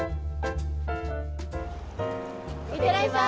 行ってらっしゃい。